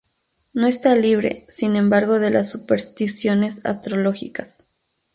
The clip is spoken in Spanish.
No está libre sin embargo de las supersticiones astrológicas.